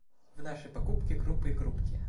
В нашей покупке — крупы и крупки.